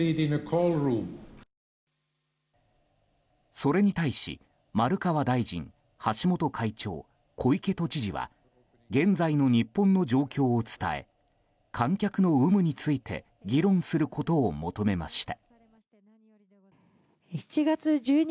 それに対し丸川大臣、橋本会長小池都知事は現在の日本の状況を伝え観客の有無について議論することを求めました。